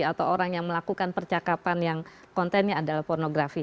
atau orang yang melakukan percakapan yang kontennya adalah pornografi